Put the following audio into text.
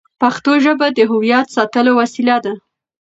پښتو ژبه د هویت ساتلو وسیله ده.